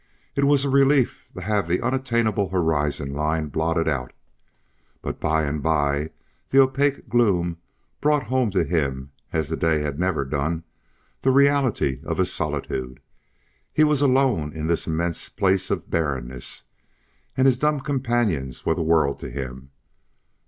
It was a relief to have the unattainable horizon line blotted out. But by and by the opaque gloom brought home to him, as the day had never done, the reality of his solitude. He was alone in this immense place of barrenness, and his dumb companions were the world to him.